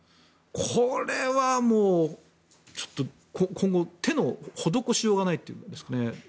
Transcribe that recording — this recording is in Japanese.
これはもう今後、手の施しようがないというんですかね。